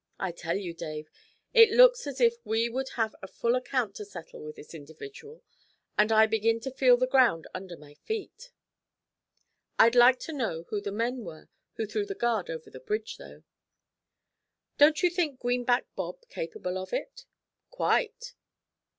I tell you, Dave, it looks as if we would have a full account to settle with this individual, and I begin to feel the ground under my feet. I'd like to know who the men were who threw the guard over the bridge, though.' 'Don't you think Greenback Bob capable of it?' 'Quite.'